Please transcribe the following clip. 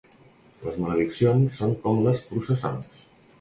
Les malediccions són com les processons.